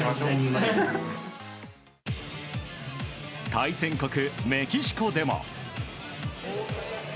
対戦国、メキシコでも。